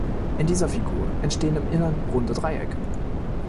In dieser Figur entstehen im Innern runde Dreiecke.